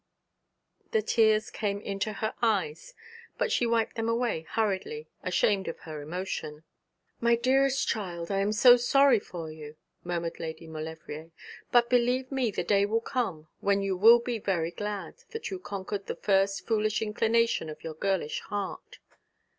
The tears came into her eyes, but she wiped them away hurriedly, ashamed of her emotion. 'My dearest child, I am so sorry for you,' murmured Lady Maulevrier. 'But believe me the day will come when you will be very glad that you conquered the first foolish inclination of your girlish heart.'